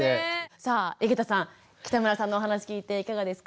さあ井桁さん北村さんのお話聞いていかがですか？